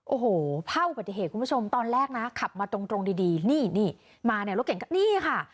โอ้โหผ้าบุปฏิเหตุคุณผู้ชมตอนแรกนะขับมาตรงดีนี่มารถเก่งนี่ค่ะ